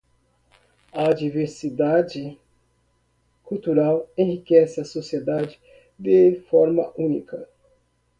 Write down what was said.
A diversidade cultural enriquece a sociedade de forma única.